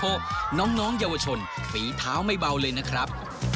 เพราะน้องเยาวชนฝีเท้าไม่เบาเลยนะครับ